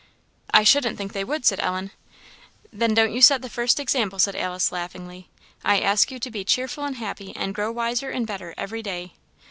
"I shouldn't think they would," said Ellen. "Then, don't you set the first example," said Alice, laughingly. "I ask you to be cheerful and happy, and grow wiser and better every day."